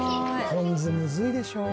ポン酢むずいでしょ。